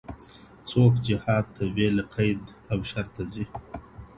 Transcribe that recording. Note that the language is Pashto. څوک جهاد ته بيله قيد او شرطه ځي؟